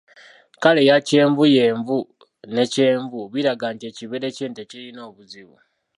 Kkala eya kyenvuyenvu ne kyenvu biraga nti ekibeere ky’ente kirina obuzibu.